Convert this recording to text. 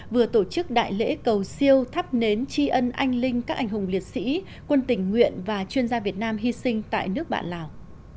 vừa tổ chức đại lễ cầu siêu thắp nến tri ân anh linh các anh hùng liệt sĩ quân tình nguyện và chuyên gia việt nam hy sinh tại nước bạn lào